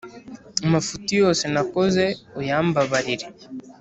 Amafuti yose nakoze uyambabarire